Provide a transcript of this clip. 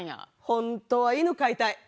本当は犬飼いたい。